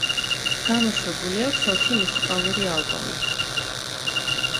გამოშვებული აქვს ოთი მუსიკალური ალბომი.